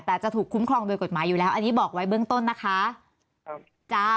แต่จะถูกคุ้มครองโดยกฎหมายอยู่แล้วอันนี้บอกไว้เบื้องต้นนะคะ